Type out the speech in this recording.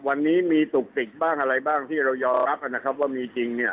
วันนี้มีตุกติกบ้างอะไรบ้างที่เรายอมรับนะครับว่ามีจริงเนี่ย